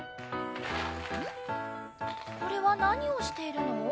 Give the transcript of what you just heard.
これはなにをしているの？